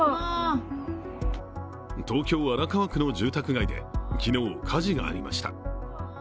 東京・荒川区の住宅街で昨日、火事がありました。